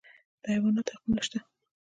د حیواناتو حقونه شته